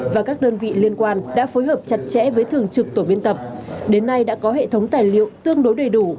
và các đơn vị liên quan đã phối hợp chặt chẽ với thường trực tổ biên tập đến nay đã có hệ thống tài liệu tương đối đầy đủ